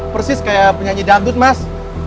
persis kayak penyanyi dangdut mas